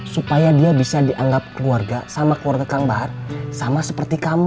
supaya dia bisa dianggap keluarga sama keluarga kang bahar sama seperti kamu